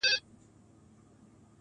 يو نه دی چي و تاته په سرو سترگو ژاړي.